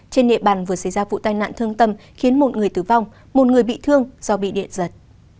trên địa bàn vừa xảy ra vụ tai nạn thương tâm khiến một người tử vong một người bị thương do bị điện giật